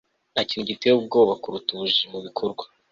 nta kintu giteye ubwoba kuruta ubujiji mu bikorwa